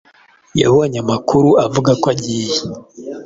yabonye amakuru avuga ko agiye